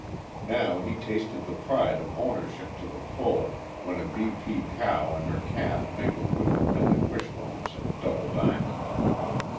Now he tasted the pride of ownership to the full, when a VP cow and her calf mingled with the milling Wishbones and Double Diamonds.